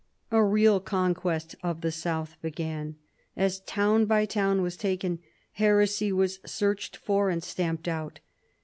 A real conquest of the south began. As town by town was taken, heresy was searched for and stamped out.